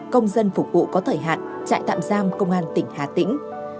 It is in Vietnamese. công dân phục vụ có thời hạn trại tạm giam công an tỉnh hà tĩnh